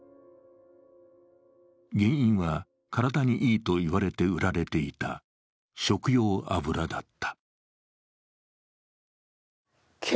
原因は、体にいいと言われて売られていた食用油だった。